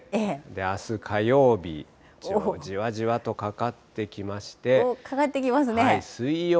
あす火曜日、じわじわとかかってかかってきますね。